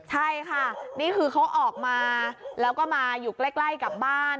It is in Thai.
ใช่ค่ะนี่คือเขาออกมาแล้วก็มาอยู่ใกล้กับบ้าน